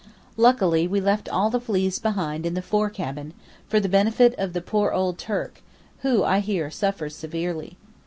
Luckily we left all the fleas behind in the fore cabin, for the benefit of the poor old Turk, who, I hear, suffers severely.